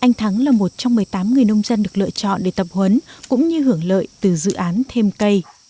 anh thắng là một trong một mươi tám người nông dân được lựa chọn để tập huấn cũng như hưởng lợi từ dự án thêm cây